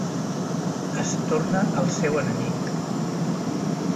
Es torna el seu enemic.